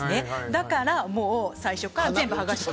だから最初から全部はがして。